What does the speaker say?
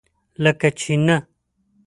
لکه چینۀ!